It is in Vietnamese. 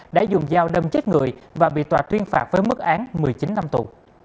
đã dùng dao đâm chết người và bị tòa tuyên phạt với mức án một mươi chín năm tù